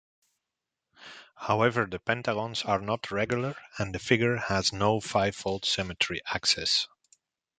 However, the pentagons are not regular and the figure has no fivefold symmetry axes.